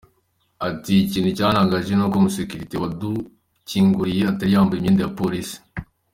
Ati “Ikintu cyantangaje ni uko umusekirite wadukinguriye atari yambaye imyenda ya polisi.”